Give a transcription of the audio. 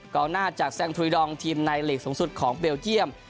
หน้าจากแซงทุยดองทีมในหลีกสูงสุดของเบลเยี่ยม